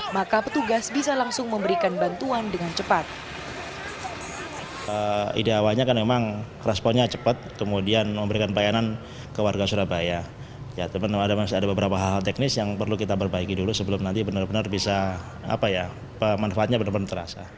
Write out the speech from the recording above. maka petugas bisa langsung memberikan bantuan dengan cepat